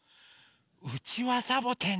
うちわサボテンね。